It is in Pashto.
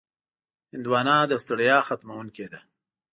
هندوانه د ستړیا ختموونکې ده.